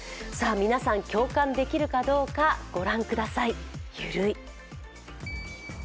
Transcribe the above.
皆さん、共感できるかどうかご覧ください。